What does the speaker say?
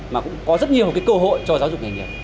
mà cũng có rất nhiều cái cơ hội cho giáo dục nghề nghiệp